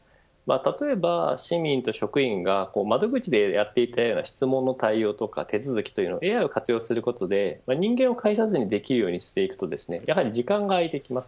例えば、市民と職員が窓口でやっていた質問の対応とか手続きというのはＡＩを活用することによって人間を介さずにできるようにしていくとですねやはり時間が空いてきます。